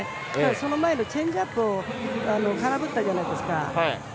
その前のチェンジアップを空振ったじゃないですか。